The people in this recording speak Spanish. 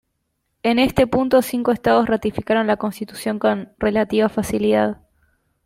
En este punto, cinco estados ratificaron la constitución con relativa facilidad.